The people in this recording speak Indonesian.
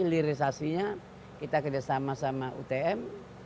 lirisasinya kita kerja sama sama utm